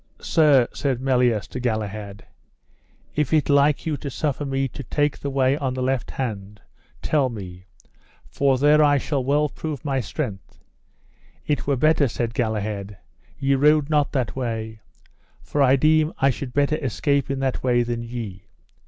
Sir, said Melias to Galahad, if it like you to suffer me to take the way on the left hand, tell me, for there I shall well prove my strength. It were better, said Galahad, ye rode not that way, for I deem I should better escape in that way than ye.